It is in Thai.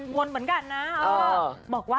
วนเหมือนกันนะ